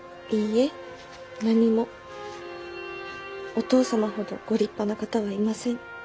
お父様ほどご立派な方はいません。